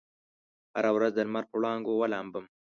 هره ورځ دلمر په وړانګو ولامبم